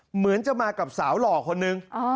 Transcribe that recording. เหมือนจะมากับสาวหล่อคนนึง